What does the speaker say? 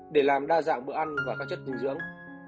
để làm đa dạng bữa ăn và các chất dinh dưỡng